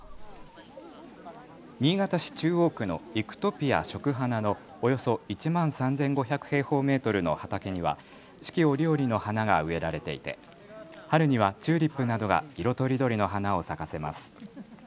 新潟市中央区のいくとぴあ食花のおよそ１万３５００平方メートルの畑には四季折々の花が植えられていて春にはチューリップなどが色とりどりの花を咲かせます。